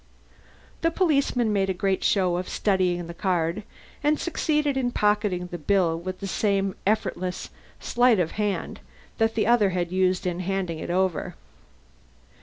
The policeman made a great show of studying the card and succeeded in pocketing the bill with the same effortless sleight of hand that the other had used in handing it over.